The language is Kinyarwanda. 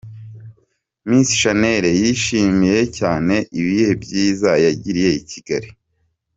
Miss Shanel yishimiye cyane ibihe byiza yagiriye i Kigali.